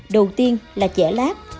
đầu tiên là chẻ lát